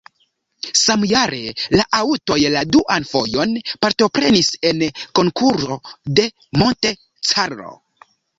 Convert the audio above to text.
Samjare la aŭtoj la duan fojon partoprenis en la Konkuro de Monte Carlo.